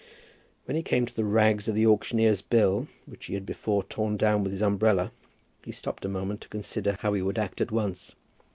When he came to the rags of the auctioneer's bill, which he had before torn down with his umbrella, he stopped a moment to consider how he would act at once.